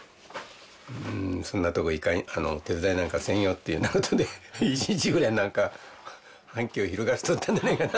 「そんなところ手伝いなんかせんよ」っていうようなことで１日ぐらいなんか反旗を翻しとったんじゃないかな。